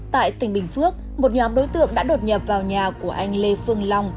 tại tỉnh bình phước một nhóm đối tượng đã đột nhập vào nhà của anh lê phương long